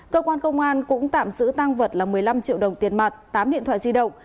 cơ quan công an cũng tạm giữ tăng vật là một mươi năm triệu đồng tiền mặt tám điện thoại di động